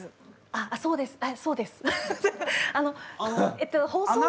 あっそうですね。